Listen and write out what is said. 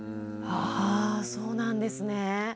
あそうなんですね。